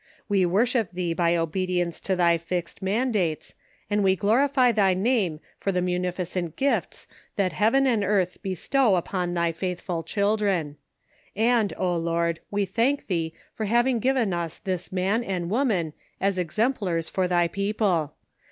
We worship Thee by obedience to Thy fixed mandates, and we glorify Thy name for the munificent gifts that heaven and earth be stow upon Thy faithful children. And, O Lord, we thank Thee for having given us this man and woman as exem plars for Thy people.